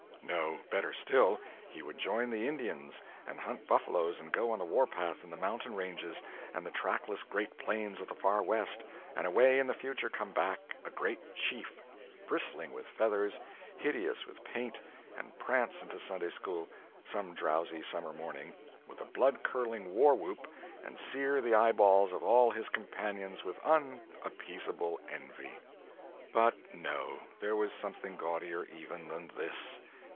No—better still, he would join the Indians, and hunt buffaloes and go on the warpath in the mountain ranges and the trackless great plains of the Far West, and away in the future come back a great chief, bristling with feathers, hideous with paint, and prance into Sunday school, some drowsy summer morning, with a blood curdling war whoop, and sear the eyeballs of all his companions with unappeasable envy. But no, there was something gaudier even than this.